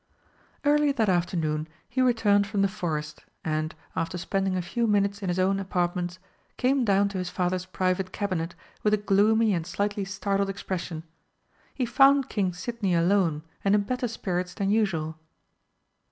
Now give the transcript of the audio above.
Early that afternoon he returned from the forest, and, after spending a few minutes in his own apartments, came down to his father's private cabinet with a gloomy and slightly startled expression. He found King Sidney alone and in better spirits than usual.